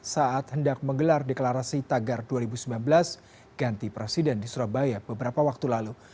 saat hendak menggelar deklarasi tagar dua ribu sembilan belas ganti presiden di surabaya beberapa waktu lalu